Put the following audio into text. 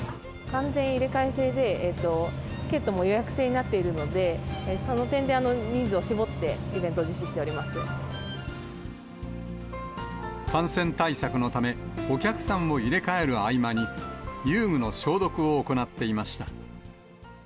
完全入れ替え制で、チケットも予約制になっているので、その点で人数を絞って、感染対策のため、お客さんを入れ替える合間に、遊具の消毒を行っていました。